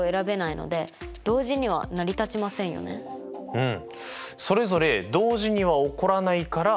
うん。